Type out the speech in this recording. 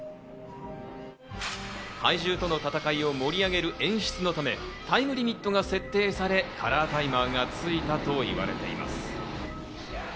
怪獣との戦いを盛り上げる演出のため、タイムリミットが設定され、カラータイマーがついたといわれています。